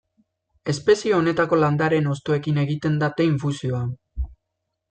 Espezie honetako landareen hostoekin egiten da te-infusioa.